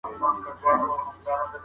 A ګروپ تازه خواړه وخوري.